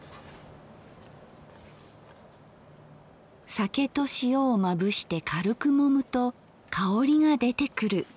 酒と塩をまぶして軽くもむと香りが出てくる。